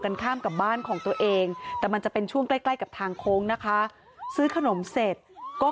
ข้ามกับบ้านของตัวเองแต่มันจะเป็นช่วงใกล้ใกล้กับทางโค้งนะคะซื้อขนมเสร็จก็